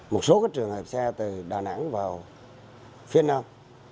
một số trường hợp xe từ đà nẵng vào phía nam